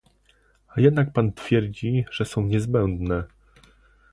A jednak pan twierdzi, że są niezbędne